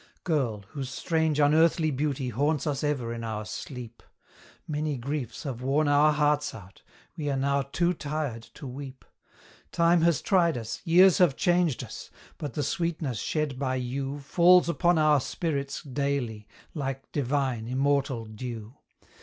Girl, whose strange, unearthly beauty haunts us ever in our sleep, Many griefs have worn our hearts out we are now too tired to weep! Time has tried us, years have changed us; but the sweetness shed by you Falls upon our spirits daily, like divine, immortal dew.